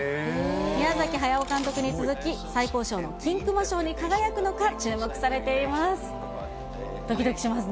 宮崎駿監督に続き、最高賞の金熊賞に輝くのか、注目されています。